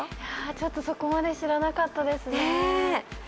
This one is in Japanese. そこまで知らなかったですね。